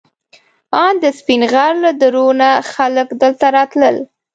ان د سپین غر له درو نه خلک دلته راتلل.